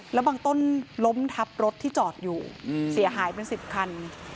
แล้วบางต้นล้มทับรถที่จอดอยู่เสียหายเป็น๑๐คัน